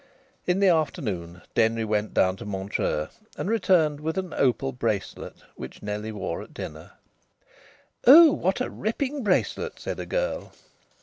In the afternoon Denry went down to Montreux and returned with an opal bracelet, which Nellie wore at dinner. "Oh! What a ripping bracelet!" said a girl.